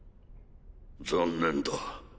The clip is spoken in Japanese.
残念だ。